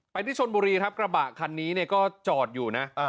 ที่ชนบุรีครับกระบะคันนี้เนี่ยก็จอดอยู่นะ